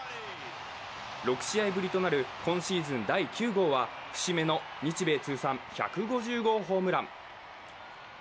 ６試合ぶりとなる今シーズン第９号は節目の日米通算１５０号ホームラン。